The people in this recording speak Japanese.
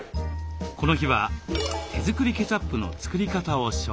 この日は手作りケチャップの作り方を紹介。